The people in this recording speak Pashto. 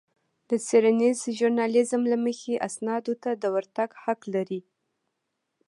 د څېړنيز ژورنالېزم له مخې اسنادو ته د ورتګ حق لرئ.